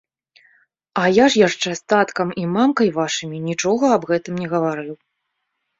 А я ж яшчэ з таткам і мамкай вашымі нічога аб гэтым не гаварыў.